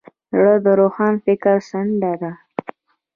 زړه د روښان فکر څنډه ده.